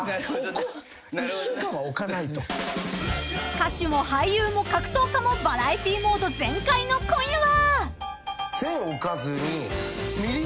［歌手も俳優も格闘家もバラエティーモード全開の今夜は］